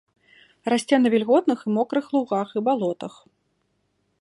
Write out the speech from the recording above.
Расце на вільготных і мокрых лугах і балотах.